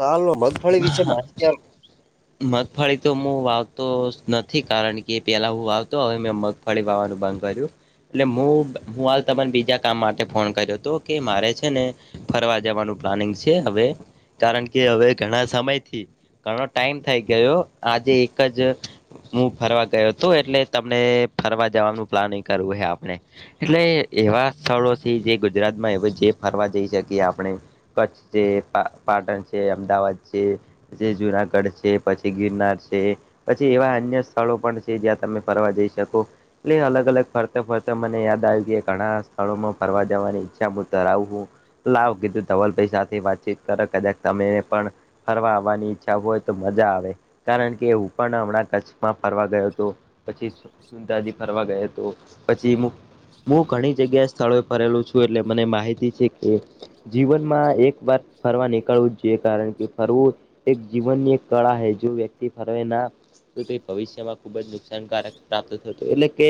હાલ નુ મગફળી વિશે માહિતી મગફળી તો હું વાવતો નથી કારણ કે પેલા હું વાવતો હવે મે મગ ફળી વાવવાનું ભાગ કર્યું એટલે હું હાલ તને બીજા કામ માટે ફોન કર્યો હતો કે મારે છે ને ફરવા જવાનું પ્લાનિંગ છે હવે કારણ કે કે હવે ઘણા સમયથી ઘણો ટાઈમ થઈ ગયો આજે એક જ હું ફરવા ગયો હતો એટલે તમને ફરવા જવાનું પ્લાનિંગ કરવું હે આપણે એટલે એવા સ્થળો છે જે ગુજરાત માં એ જે ફરવા જઈ શકીએ આપણે કચ્છ છે પાટણ છે અમદાવાદ છે જે જુનાગઢ છે પછી ગિરનાર છે. પછી એવા અન્ય સ્થળો પણ છે જ્યાં તમે ફરવા જઈ શકો. એટલે અલગ અલગ ફરતા ફરતા મને યાદ આવી જાય. ઘણા સ્થળોમાં ફરવા જવાની ઈચ્છા મુ ધરાઉ આવું લાવ કીધું ધવલભાઈ સાથે વાતચીત કરે કદાક તમે પણ ફરવા આવવાની ઈચ્છા હોય તો મજા આવે. કારણ કે હું પણ હમણાં કચ્છમાં ફરવા ગયો હતો પછી અજી ફરવા ગયો તો પછી હું ઘણી જગ્યાએ સ્થળોએ ફરેલું છું. એટલે મને માહિતી છે કે જીવનમાં એક વાર ફરવા નીકળવું જે કારણ કે ફરવું એક જીવનની એક કળા હે જો વ્યક્તિ ફરવે ના તો તે ભવિષ્યમાં ખુબ જ નુકસાનકારક પ્રાપ્ત થતું હતું એટલે કે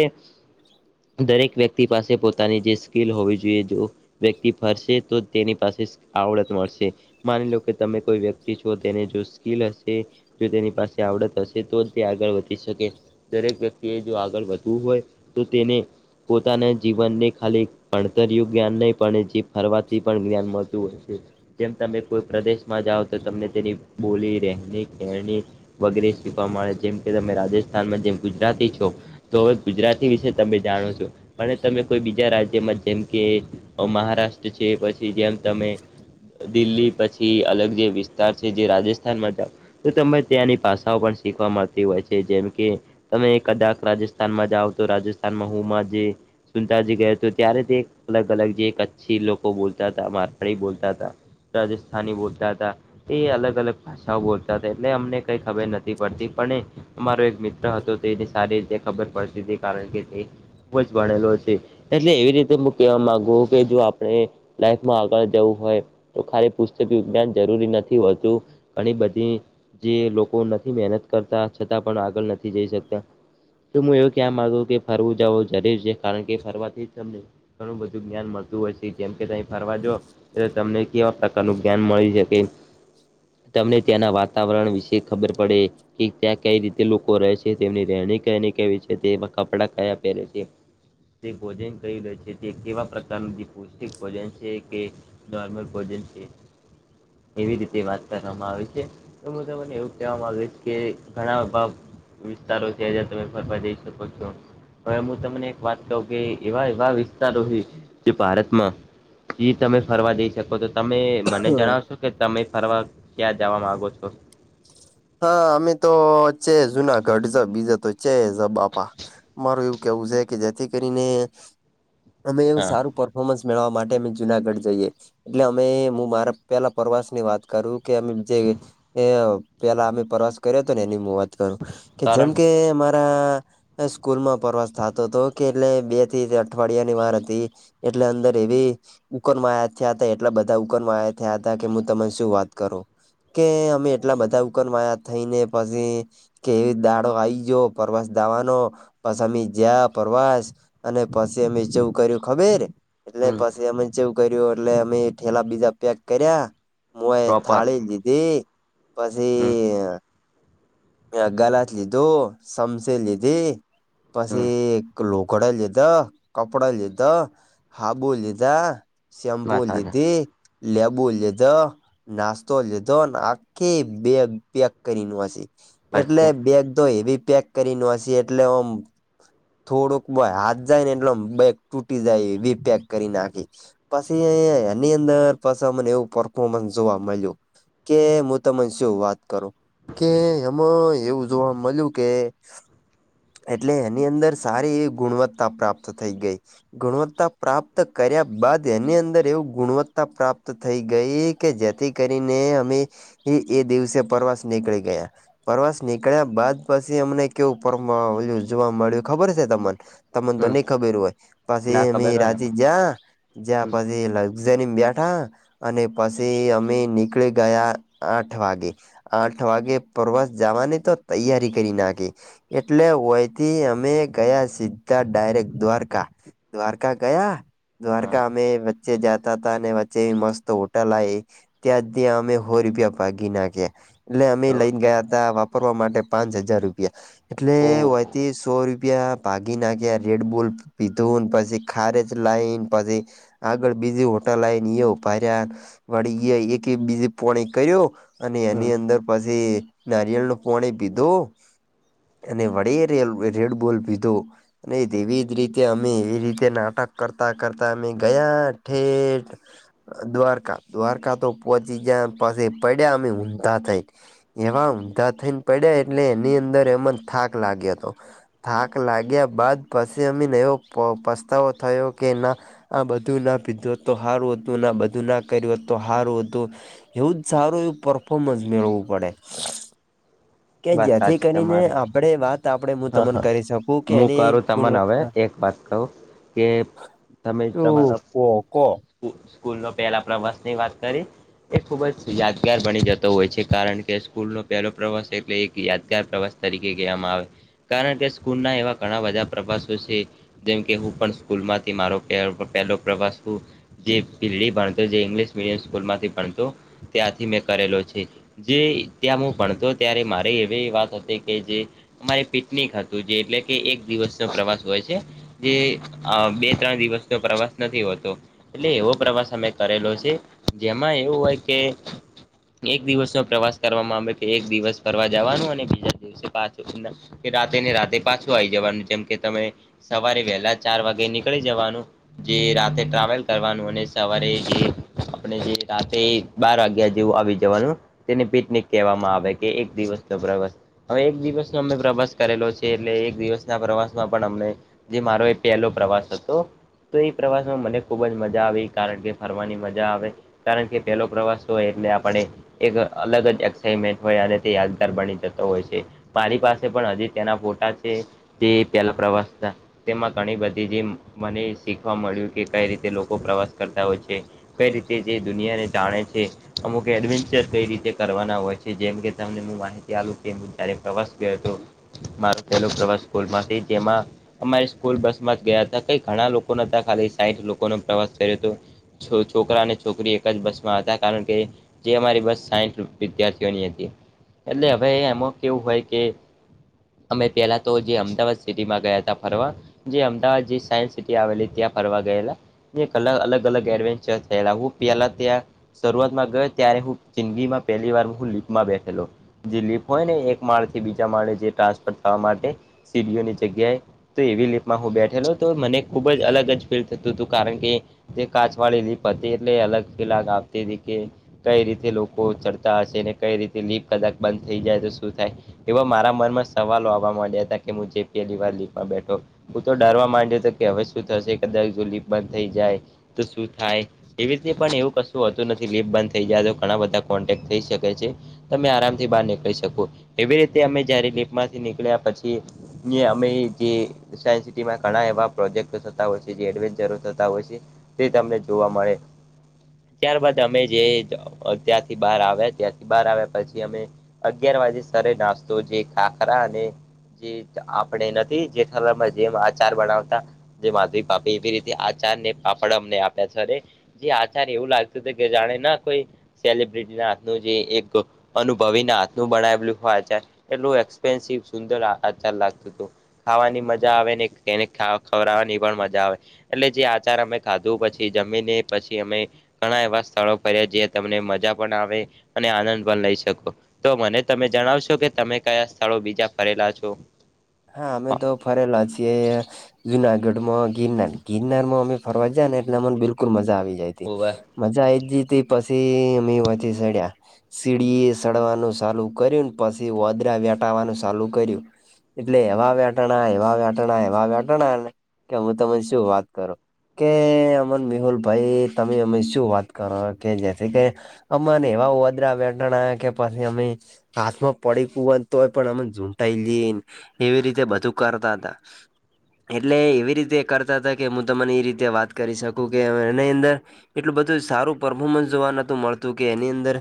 દરેક વ્યક્તિ પાસે પોતાની જે સ્કીલ હોવી જોઈએ જો વ્યક્તિ ફરશે તો તેની પાસે આવડત મળશે માની લો કે તમે કોઈ વ્યક્તિ છો તેને જો સ્કીલ હશે જો તેની પાસે તે આવડત હશે તો જ તે આગળ વધી શકે દરેક વ્યક્તિ કે જો આગળ વધવું હોય તો તેને પોતાના જીવનને ખાલી ભણતર યું જ્ઞાન નહીં પણે જે ફરવાથી પણ જ્ઞાન મળતું હોય છે જેમ તમે કોઈ પ્રદેશ માં જાઓ તો તમને તેની બોલી રહેણી કેરણી વગેરે શીખવા મળે જેમ કે તમે રાજસ્થાનમાં જેમ ગુજરાતી છો તો હવે ગુજરાતી વિશે તમે જાણો છો અને તમે કોઈ બીજા રાજ્ય જેમ કે મહારાષ્ટ્ર છે પછી જેમ તમે દિલ્હી પછી થી અલગ જે વિસ્તાર છે જે રાજસ્થાનમાં જાઓ તો તમે ત્યાંની ભાષાઓ પણ શીખવા મળતી હોય છે જેમ કે તમે કદાચ રાજસ્થાનમાં જાઓ તો રાજસ્થાનમાં હુંમાં જે સુનતાજી ગયો તો ત્યારે તે અલગ અલગ જે એક કચ્છી લોકો બોલતા હતા મારવળી બોલતા હતા રાજસ્થાની બોલતા હતા એ અલગ અલગ ભાષાઓ બોલતા હતા એટલે અમને કઈ ખબર નથી પડતી પણ મારો એક મિત્ર હતો તેને સારી રીતે ખબર પડતી હતી કારણ કે તે ખુબ ભણેલો છે એટલે એવી રીતે હું કેહેવા માંગુ કે જો આપણે લાઈફમાં આગળ જવું હોય તો ખ પુસ્તક વિજ્ઞાન જરૂરી નથી હોતું ઘણી બધી જે લોકો નથી મહેનત કરતા છતાં પણ આગળ નથી જઈ શકતા તો હું એવું ક્યાં માગુ કે ફરવું જવું જરૂર છે કારણ કે ફરવાથી જ તમને ઘણું બધું જ્ઞાન મળતું હોય છે જેમકે ત ફરવા જો એ તમને કેવા ન જ્ઞાન મળી શકે તમને ત્યાંના વાતાવરણ વિશે ખબર પડે કે ત્યાં કઈ રીતે લોકો રહે છે તેમની રહેણી કેણી કેવી છે તે કપડા કયા પહેરે છે જે ભોજન કરી રહે છે તે કેવા પ્રકારનું જે પૌષ્ટિક ભોજન છે કે નર્મલ કોજે છે એવી રીતે વાત કરવામાં આવે છે તમને એવું કહેવામાં કે ઘણા ભ વિસ્તારો છે હજં તમે ફરવા જઈ શકો છો હવે હું તમને એક વાત કહ કે એવા એવા વિસ્તારો છે જે ભારતમાં જી તમે ફરવા જઈ શકો તો તમે મને જણાવશો કે તમે ફરવા ક્યાં જવા માંગો છો હા અમે તો છે જુના ગઢ જ બીજા તો છે જ બાપા મારું એવું કેવું છે કે જેથી કરીને અમે એવું હા સારું પફોર્મન્સ મેળવવા માટે અમે જુનાગઢ જઈએ એટલે અમે હું મારા પેલા પ્રવાસની વાત કરું કે જે એ પેલા અમે પ્રવાસ કર્યો તો ને એની હું વાત કરું કે જેમ કારણ કે અમારા સ્કૂલ માં પ્રવાસ થતો હતો કે એટલે બે થી અઠવાડિયા ની વાર હતી એટલે અંદર એવી ઉકરમાયાં આયા થયા હતા એટલા બધા ઉકરમાંયા આયા થયા હતા કે હું તને શું વાત કરું કે અમે એટલા બધા ઉકરમાયા થઈને પછી કે એ દાડો આઈ ગયો પ્રવાસ જવાનો પસ અમે જયા પ્રવાસ અને પછી એમે જેવું કર્યું ખબર એટલે હમ પછી અમે જેવું કર્યું એટલે અમે ઠેલા બીજા પેક કર્યા હું એ પ્રોપર થાળી લીધી પછી હમ ગ્લાસ લીધો સમસી લીધી હમ પછી એક લોકો ઘોડ લીધો કપડા લીધો હાબુ લીધા શેમ્પુ માથાજ લીધી લેબુ લીધો નાસ્તો લીધોને આખી બેગ પેક કરી ને હશિ એટલે પછી બેગ તો હેવી પેક કરીને હશે એટલે આમ થોડુંક હાથ જાય ને એટલે બેક તૂટી જાય બી પેક કરી નાખી પછી એની અંદર પસે એવું પરફોર્મન્સ જોવા મળ્યું કે હું તને શું વાત કરું કે એમાં એવું જોવા મળ્યું કે એટલે એની અંદર સારી એવી ગુણવત્તા પ્રાપ્ત થઈ ગઈ ગુણવત્તા પ્રાપ્ત કર્યા બાદ એની અંદર એવું ગુણવત્તા પ્રાપ્ત થઈ ગઈ કે જેથી કરીને અમે એ એ દિવસે પ્રવાસ નીકળી ગયા પ્રવાસ નીકળ્યા બાદ પછી અમને કેવ ઉપર જોવા મળ્યું ખબર છે તમ તમને તો હમ નહી ખબર હોય પછી ના અમે ખબર હોય ને રાજજી જા જયા પછી લક્ઝરી બેઠા અને પછી અમે નીકળી ગયા આઠ વાગે આઠ વાગે પરવાસ જવાની તો તૈયારી કરી નાખી એટલે વયથી અમે ગયા સીધા ડાયરેક્ટ દ્વારકા દ્વારકા ગયા હા દ્વારકા અમે વચે જતા હતા અને વચ્ચે મસ્ત હોટલ આઈ ત્યાં ત્યાં આમે હો રૂપિયા ભાગી નાખ્યા. એટલે અમે તો લઈને ગયા હતા વાપરવા માટે પાંચ હજાર રૂપિયા એટલે ઓહો તે સો રૂપિયા ભાગી નાખ્યા રેડ બોલ પીધોને પછી ખારેજ લાઈન પછી આગળ બીજી હોટાલ આવી એ ઊભા રયા વળી એક બીજી પોણી કર્યો અને હમ એની અંદર પછી નારિયેળ નું પોણી પીધું. અને વડીએ રેડ બોલ પીધો. અને એવી જ રીતે અમે એવી રીતે નાટક કરતા કરતા અમે ગયા ઠેઠ દ્વારકા દ્વારકા તો પહોંચી જયા પસે પડ્યા અમે ઊંધા થઈ એવા ઊધા થઈને પડ્યા એટલે એની અંદર એમાં થાક લાગ્યો હતો. થાક લાગ્યા બાદ પછી અમીને એવો પ પસ્તાવો થયો કે ના આ બધું ના પીધું હોત તો હાર હતું ના બધું ના કર્યું હોત તો હારું હતું એવું જ સારું એવું પરફોમન્સ મેળવું પડે. કે વાત જેથી સાચી કરીને તમારી આપણે વાત આપણે હું હ તમને હા કરી શકું કે હું એની કરું તમને હવે ગુણવત્તા એક વાત કહો કે તમે શું તમારા કો કો સ્કુ સ્કૂલ નો પહેલા પ્રવાસ ની વાત કરી એ ખુબ જ યાદગાર બની જતો હોય છે કારણ કે સ્કૂલનો પહેલો પ્રવાસ એક એટલે એક યાદગાર પ્રવાસ તરીકે કહેવામાં આવે કારણ કે સ્કૂલના એવા ઘણા બધા પ્રવાસો છે જેમ કે હું પણ સ્કૂલ માંથી મારો પહેલો પ્રવાસ હું જે પીલી ભણતો જે ઇંગ્લિશ મીડિયમ સ્કૂલ માંથી ભણતો ત્યાંથી મેં કરેલો છે જે ત્યાં હું ભણતો ત્યારે મા રે એવી વાત હતી કે જે અમારે પિકનિક હતું જે એટલે કે એક દિવસનો પ્રવાસ હોય છે. જે અ બે ત્રણ દિવસ નો પ્રવાસ નથી હોતો. એટલે એવો પ્રવાસ અમે કરેલો છે જેમાં એવું હોય કે એક દિવસનો પ્રવાસ કરવામાં આવે કે એક દિવસ કરવા જવાનું અને બીજા દિવસે પાછું કે રાતે ને રાતે પાછું આવી જવાનું જેમ કે તમે સવારે વહેલા ચાર વાગે નીકળી જવાનું. જે રાતે ટ્રાવેલ કરવાનું અને સવારે જે આપણે જે રાતે બાર વાગ્યા જેવું આવી જવાનું તેની પીકનિક કહેવામાં આવે કે એક દિવસ નો પ્રવાસ હવે એક દિવસનો અમે પ્રવાસ કરેલો છે એટલે એક દિવસના પ્રવાસમાં પણ અમને જે મારો એ પહેલો પ્રવાસ હતો. તો એ પ્રવાસમાં મને ખૂબ જ મજા આવી કારણ કે ફરવાની મજા આવે કારણ કે પેલો પ્રવાસ હતો એટલે આપણે એક અલગ જ એક્સાઇમેન્ટ હોય અને તે યાદગાર બની જતો હોય છે. મારી પાસે પણ હજી તેના ફોટા છે તે પેલા પ્રવાસના તેમાં ઘણી બધી જે મને શીખવા મળ્યું કે કઈ રીતે લોકો પ્રવાસ કરતા હોય છે કઈ રીતે જે દુનિયાને જાણે છે અમુક એડવેન્ચર કઈ રીતે કરવાના હોય છે જેમ કે તમને હું માહિતી આલુ કે હું જયારે પ્રવાસ ગયો તો માર પેલો પ્રવાસ સ્કૂલ માંથી જેમાં અમારી સ્કૂલ બસ માં જ ગયા હતા કઈક ઘણા લોકો ના હતા ખાલી સાહીઠ લોકોનો પ્રવાસ થયો તો. છો છોકરા અને છોકરી એક જ બસમાં હતા કારણ કે જે અમારી બસ સાઈઠ વિદ્યાર્થી ઘણી હતી એટલે હવે એમાં કેવું હોય કે અમે પહેલાં તો જે અમદાવાદ સિટીમાં ગયા હતા ફરવા જે અમદાવાદ જે સાયન્સ સિટી આવેલી ત્યાં ફરવા ગયેલા. એક અલ અલગ અલગ એડવેન્ચર થયેલા હું પ્યાલા ત્યાં શરૂઆતમાં ગયો ત્યારે હું જિંદગીમાં પહેલી વાર હું લીપમાં બેઠેલો જે લીપ હોય ને એક માળ થી બીજા માળે જે ટ્રાન્સફર થવા માટે સીડીઓ ની જગ્યાએ તો એવી લીફમાં હું બેઠેલો તો મને ખુબ જ અલગ જ ફીલ થતું હતું કારણ કે તે કાચ વાળી લીફ હતી એટલે અલગ [unintelligible] કઈ રીતે લોકો ચડતા હશે ને કઈ રીતે લીફ કદાક બંધ થઈ જાય તો શું થાય એવા મારા મન માં સવાલ આવવા માંડ્યા હતા કે હ જે લમાં બેઠો હું તો ડરવા માંડ્યો હતો કે હવે શું થશે કદાચ જોલીપ બંધ થઈ જાય તો શ થાય એવી રીતે પણ એવું કશું હોતું નથી લીપ બંધ થઈ જાય તો ઘણા બધા કોન્ટેક થઈ શકે છે. તમે આરામથી બહાર નીકળી શકો. એવી રીતે અમે જયારે લીફ્ટ માંથી નીકળ્યા પછી અમે જે સાયન્સ સિટીમાં ઘણા એવા પ્રોજેક્ટ ય જે એડવેન્ચરો થતા હોય છે. તે તમને જોવા મળે ત્યારબાદ અમે જે ત્યાંથી બહાર આવ્યા ત્યાં બાર આવ્યા પછી અમે અગિયાર વાગ્યે સર નાસ્તો જે ખાખરા અને જે આપણે નથી જેમાં જેમ આચાર બનાવતા જે માધ પાપે એવી રીતે આચાર ને પાપડ અમને આપ્યા છે સરે જી આચાર્ય એવું લાગતું હત કે જાણે ના કોઈ સેલિબ્રિટી હાથનું જે એક અનુભવીને હાથનું બનાવેલું હોય. એટલું એક્સપેન્સિવ સુંદર આચાર લાગતું હતો. ખાવાની મજા આવે ને એને ખવડવાની પણ મજા આવે. એટલે જે આચાર અમે ખાધું પછી જમીન પછી અમે ઘણા એવા સ્થળો ફ્યા જે તમને મજા પણ આવે. અને આનંદ પણ લઈ શકો તો મને તમે જણાવશો કે તમે કયા સ્થળો બીજા ફરેલા છો? હા અમે તો ફરેલા છીએ. જુનાગઢમાં ગિરનાર. ગિરનાર માં અમે ફરવા જયા ને એટલે અમને બિલકુલ મજા આવી જાયતી. હા મજા આઈ જી ત પછી મ વતી સડ્યા સીડી એ સડવાનું ચાલુ કર્યું પછી વદરા વેટાવાનું ચાલુ કર્યું. એટલે એવા વેટાણા એવા વેટાણા એવા વેટાણા કે હું તને શું વાત કરો. કે અમર મેિહુલભાઈ તમે અમે શું વાત કરો કે જેથી કે અમાને એવા વદ્ર વઠણા કે પછી અમે ક્સમાં પડે ક હો તોય પણ આમાં ઝુંટાઈ લઈન એવી રીતે બધું કરતા હતા. એટલે એવી રીતે કરતા હતા કે હું તમને એ રીતે વાત કરી શકું કે એની અંદર એટલું બધું સારું પર્ફોર્મન્સ જોવા નતું મળતું કે એની અંદર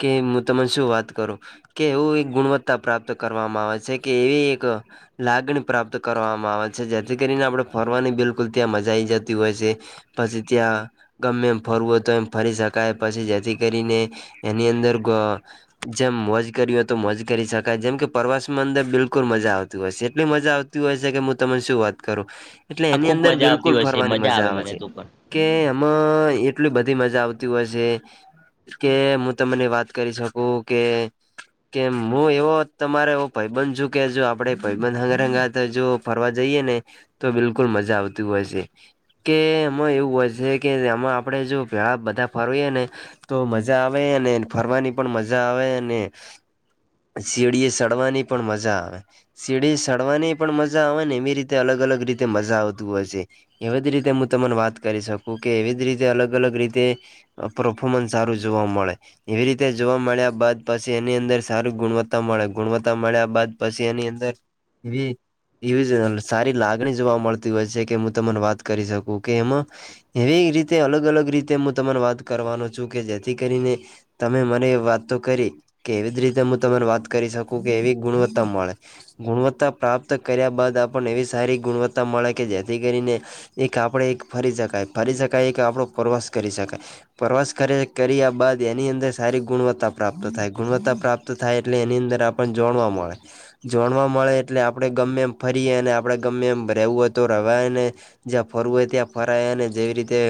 કે હું તને શું વાત કરું કે એવું એક ગુણવત્તા પ્રાપ્ત કરવામાં આવે છે કે એવી [inaudible] લાગણી પ્રાપ્ત કરવામાં આવે છે જેથી કરીને આપણે ફરવાની બિલકુલ ત્યાં મજા આવી જતી હોય છે. પછી ત્યા ગમે એમ ફરવું હોય તો એમ ફરી શકાય. પછી જેથી કરીને એની અંદર જેમ મોજ કરી હોય તો મોજ કરી શકાય. જેમ કે પ્રવાસ માં અંદર બિલકુલ મજા મજા આવતી હોય છે. એટલી મજા આવતી હોય છે કે હું તમને શું વાત કરું. એટલે એની ખુબ અંદર મજા બિલકુલ આવતી હશે ફરવાની મજા આવે મને છે. તો પણ કે આમાં એટલી બધી મજા આવતી હોય છે. કે હું તમને વાત કરી શકું કે કે હું એવો તમારે ભય બન છુ કે આપડે ભબંધ હંગ હંગા જો ફરવા જઈએે ને તો બિલકુલ મજા આવતી હોય છે. કે એમાં એવું હોય છે કે એમાં આપણે જો પેળા બધા ફરવીએ ને તો મજા આવે અને ફરવાની પણ મજા આવે અને સીડીએ સડવાની પણ મજા આવે. સીડી સડવાની પણ મજા આવે ને એવી રીતે અલગ અલગ રીતે મજા આવતું હોય છે. એવી જ રીતે હું તમને વાત કરી શકું કે એવી જ રીતે અલગ અલગ રીતે અત્ર ફોર્મન્સ સારું જોવા મળે. એવી રીતે જોવા મળ્યા બાદ પછી એની અંદર સારું ગુણવત્તા મળે ગુણવત્તા મળ્યા બાદ પછી એની છે. ઝ સારી લાગણી જોવા મળતી હોય છે કે હું તમને વાત કરી શકું કે એમાં એવી રીતે અલગ અલગ રીતે હું તમારે વાત કરવાનો છું કે જેથી કરીને તમે મને એ વાત તો કરી. કે એવી જ રીતે હું તમને વાત કરી શકું કે એવી ગુણવત્તા મળે ગુણવત્તા પ્રાપ્ત કર્યા બાદ આપને એવી સારી ગુણવત્તા મળે કે જેથી કરીને એક આપણેે એક ફરી શકાય ફરી શકાય એક આપણો પ્રવાસ કરી શકાય. પ્રવાસ કર્યા કર્યા બાદ એની અંદર સારી ગુણવત્તા પ્રાપ્ત થાય ગુણવત્તા પ્રાપ્ત તો થાય એટલે એની અંદર આપને જોવા ના મળે. જોણવા મળે એટલે આપણે ગમે એમ ફરીએ અને આપણે ગમે એમ રહેવું હોય તો રવાય ને જ્યાં ફરવું હોય ત્યાં ફરાય અને જેવી રીતે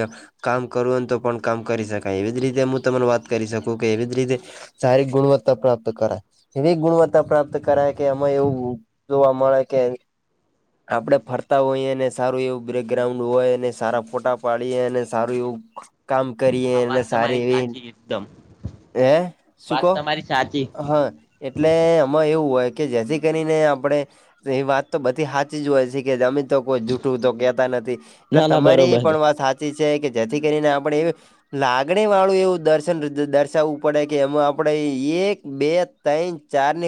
કામ કરુંને તો પણ કામ કરી શકાય એવી જ રીતે હું તને વાત કરી શકું કે એવી જ રીતે સારી ગુણવત્તા પ્રાપ્ત કરાય એવી ગુણવત્તા પ્રાપ્ત કરાય કે કે એમાં એવું જો અમા કે આપડે ફરતા હોઈ અને સારું એવું બ્રેકગ્રાઉન્ડ હોય અને સારા ફોટા પાડીએ અને સારું એવું કામ કરીએ હા અને વાત સારી તમારી એવી સાચી એકદમ હે શું વાત કહો તમારી સાચી હા એટલે એમાં એવું હોય કે જેથી કરીને આપડે તે એ વાત તો બધી સાાચી જ હોય છે કે અમે તો કોઈ જૂઠું તો કેતા નથી. એટલે ના ના તમારી બરોબર પણ વાત સાચી છે કે જેથી કરીને આપણે એવ લાગણી વાળું એવું દર્શન દર્શાવવું પડે કે એમાં આપણેે એક બે તઈણ ચારની